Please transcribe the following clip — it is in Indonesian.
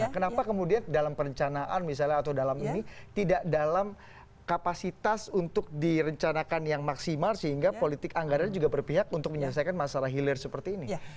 kenapa kemudian dalam perencanaan misalnya atau dalam ini tidak dalam kapasitas untuk direncanakan yang maksimal sehingga politik anggaran juga berpihak untuk menyelesaikan masalah hilir seperti ini